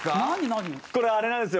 これあれなんですよ。